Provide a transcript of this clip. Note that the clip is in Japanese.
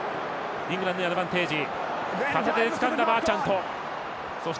イングランドにアドバンテージ。